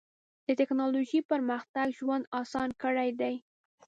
د ټکنالوجۍ پرمختګ ژوند اسان کړی دی.